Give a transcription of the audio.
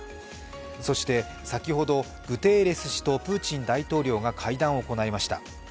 そして、先ほどグテーレス氏とプーチン大統領が会談を行いました。